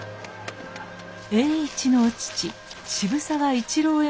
栄一の父渋沢市郎